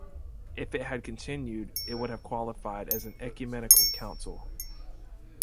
If it had continued, it would have qualified as an ecumenical council.